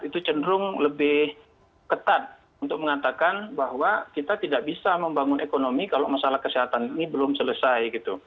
itu cenderung lebih ketat untuk mengatakan bahwa kita tidak bisa membangun ekonomi kalau masalah kesehatan ini belum selesai gitu